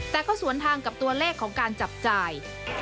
แต่ก็สวนทางกับตัวเลขของการจับจ่าย